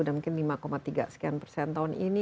dan mungkin lima tiga sekian persen tahun ini